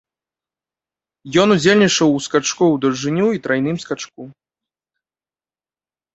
Ён удзельнічаў у скачку ў даўжыню і трайным скачку.